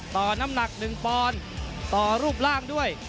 ต่อน้ำหนักหนึ่งปอนต่อรูปร่างด้วย